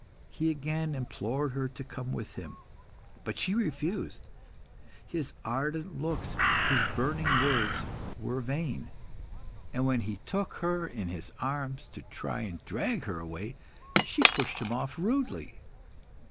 He again implored her to come with him, but she refused. His ardent looks, his burning words were vain, and when he took her in his arms to try and drag her away, she pushed him off rudely.